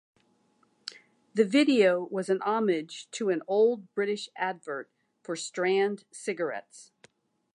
The video was a homage to an old British advert for Strand cigarettes.